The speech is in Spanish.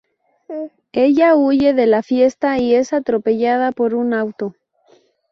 Ella huye de la fiesta y es atropellada por un auto.